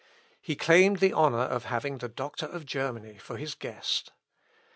He claimed the honour of having the doctor of Germany for his guest.